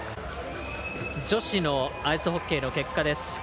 女子アイスホッケーの結果です。